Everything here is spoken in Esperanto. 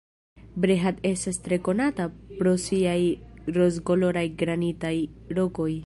Brehat estas tre konata pro siaj rozkoloraj granitaj rokoj.